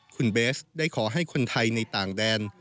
คุณเบสได้ขอให้คนไทยในต่างแดน